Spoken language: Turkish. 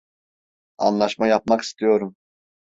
Anlaşma yapmak istiyorum.